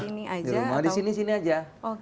di rumah di sini sini saja